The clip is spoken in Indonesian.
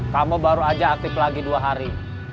kamu baru aja aktif lagi dua hari